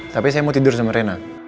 tapi saya mau tidur sama rena